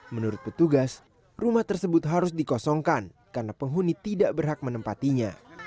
menurut petugas rumah tersebut harus dikosongkan karena penghuni tidak berhak menempatinya